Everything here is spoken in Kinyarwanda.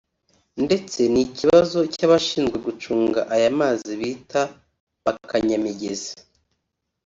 ndetse n’ikibazo cy’abashinzwe gucunga aya mazi bita ba kanyamigezi